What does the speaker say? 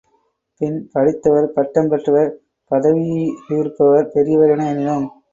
பின் படித்தவர், பட்டம் பெற்றவர், பதவீயிலிருப்பவர் பெரியவர் என எண்ணினோம்.